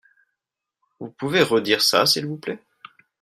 Vous pouvez redire ça s'il vous plait ?